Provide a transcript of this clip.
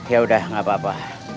yaudah gak apa apa